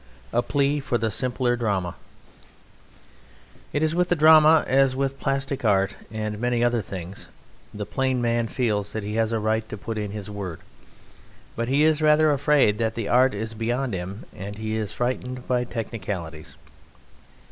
A PLEA FOR THE SIMPLER DRAMA It is with the drama as with plastic art and many other things: the plain man feels that he has a right to put in his word, but he is rather afraid that the art is beyond him, and he is frightened by technicalities.